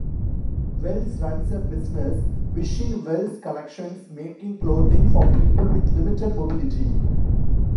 Wells runs a business, Wishing Wells Collections, making clothing for people with limited mobility.